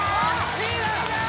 リーダー！